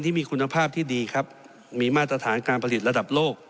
ที่มีคุณภาพที่ดีครับมีมาตรฐานการผลิตระดับโลก